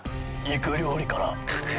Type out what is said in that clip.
肉料理から。